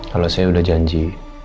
kalau saya udah janji